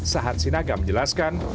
sahat sinaga menjelaskan